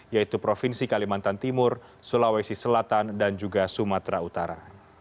yaitu provinsi kalimantan timur sulawesi selatan dan juga sumatera utara